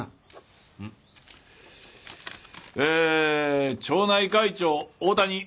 ええ「町内会長大谷」。